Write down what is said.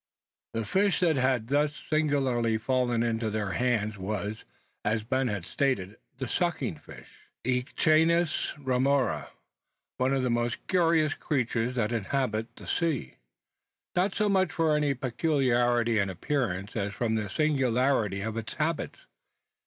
The fish that had thus singularly fallen into their hands was, as Ben had stated, the sucking fish, Echeneis remora, one of the most curious creatures that inhabit the sea. Not so much from any peculiarity in appearance as from the singularity of its habits.